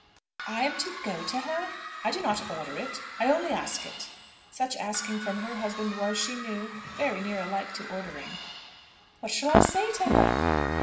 "I am to go to her?" "I do not order it. I only ask it." Such asking from her husband was, she knew, very near alike to ordering. "What shall I say to her?"